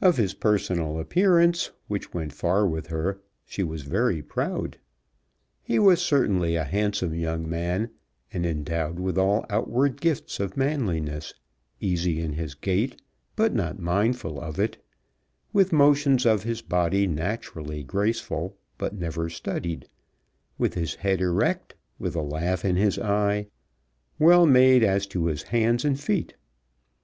Of his personal appearance, which went far with her, she was very proud. He was certainly a handsome young man, and endowed with all outward gifts of manliness: easy in his gait, but not mindful of it, with motions of his body naturally graceful but never studied, with his head erect, with a laugh in his eye, well made as to his hands and feet.